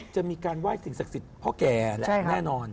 จะมีการไหว้สิ่งศักดิ์สิทธิ์พ่อแก่และแน่นอน